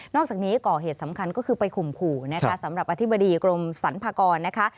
อกจากนี้ก่อเหตุสำคัญก็คือไปข่มขู่นะคะสำหรับอธิบดีกรมสรรพากรนะคะ